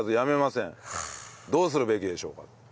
どうするべきでしょうか？